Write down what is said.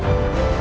đảng viên sống đẹp